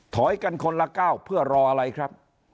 ถอยกันคนละก้าวเพื่อรออะไรครับ